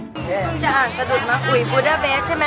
ต้องจะอ่านซะดุดมาอุ๋ยกุ๊ด้าเบชใช่มั้ย